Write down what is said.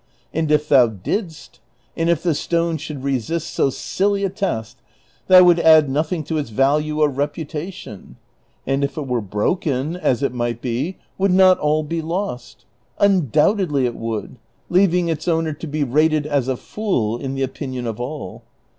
And if thou didst, and if the stone should resist so silly a test, that would add nothing to its value or reputation ; and if it were broken, as it might be, would not all be lost? Undoubtedly it would, leaving its owner to be rated as a fool in the opinion of all.